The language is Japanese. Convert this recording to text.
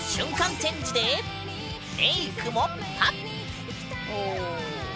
チェンジでメイクもパッ！